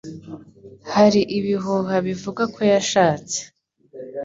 Hari ibihuha bivuga ko yashatse.